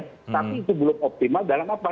tapi itu belum optimal dalam apa